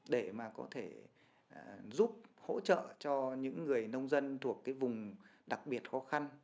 để mà có thể giúp hỗ trợ cho những người nông dân thuộc cái vùng đặc biệt khó khăn